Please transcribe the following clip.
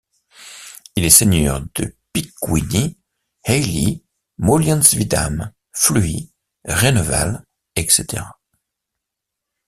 Il est seigneur de Picquigny, Ailly, Molliens-Vidame, Fluy, Raineval etc.